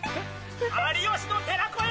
有吉の寺子屋！